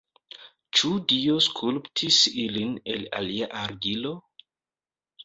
Ĉu Dio skulptis ilin el alia argilo?